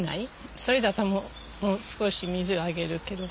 それだともう少し水あげるけど。